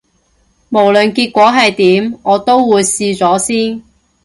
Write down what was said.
無論結果係點，我都會試咗先